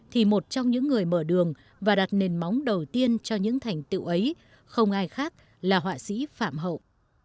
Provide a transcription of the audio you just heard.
thì một trong những người mở đường và đặt nền móng đầu tiên cho những thành tựu ấy không ai khác là họa sĩ phạm hậu